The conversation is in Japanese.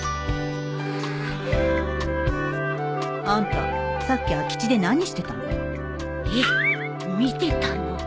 あんたさっき空き地で何してたの？